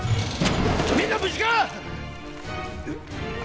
みんな無事か⁉っ！